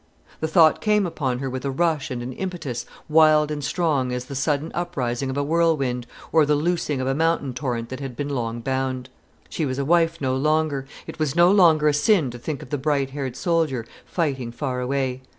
The thought came upon her with a rush and an impetus, wild and strong as the sudden uprising of a whirlwind, or the loosing of a mountain torrent that had long been bound. She was a wife no longer. It was no longer a sin to think of the bright haired soldier, fighting far away.